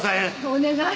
お願い。